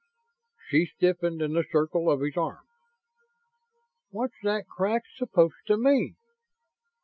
She stiffened in the circle of his arm. "What's that crack supposed to mean?